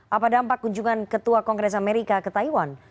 apa dampak kunjungan ketua kongres amerika ke taiwan